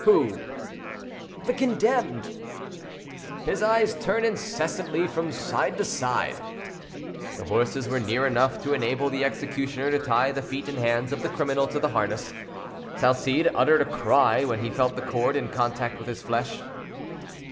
"Who?" "The condemned." "His eyes turn incessantly from side to side." The horses were near enough to enable the executioner to tie the feet and hands of the criminal to the harness. Salcede uttered a cry when he felt the cord in contact with his flesh.